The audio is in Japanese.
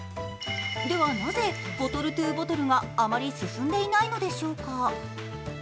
ではなぜボトルｔｏボトルがあまり進んでいないのでしょうか。